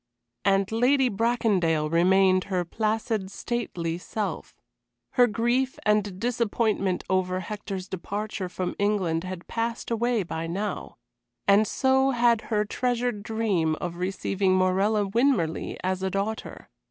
And Lady Bracondale remained her placid, stately self. Her grief and disappointment over Hector's departure from England had passed away by now, as so had her treasured dream of receiving Morella Winmarleigh as a daughter.